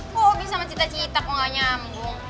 kok hobi sama cita cita kok gak nyambung